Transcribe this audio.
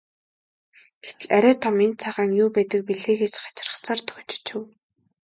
Гэтэл арай том энэ цагаан нь юу байдаг билээ дээ гэж хачирхсаар дөхөж очив.